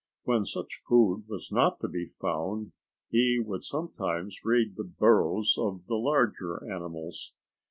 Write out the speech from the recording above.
When such food was not to be found, he would sometimes raid the burrows of the larger animals.